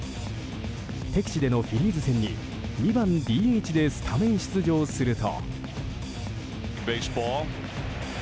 敵地でのフィリーズ戦に２番ＤＨでスタメン出場すると。